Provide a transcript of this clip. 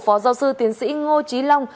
phó giáo sư tiến sĩ ngô trí long